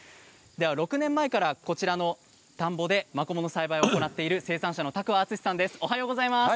６年前から、こちらの田んぼでマコモの栽培を行っている生産者の多久和厚さんです。